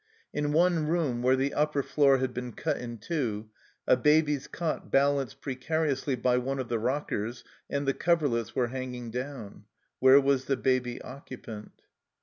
In one room, where the upper floor had been cut in two, a baby's cot balanced precariously by one of the rockers, and the coverlets were hanging down. Where was the baby occupant